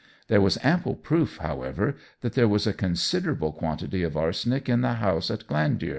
There was ample proof, however, that there was a considerable quantity of arsenic in the house at Glandier.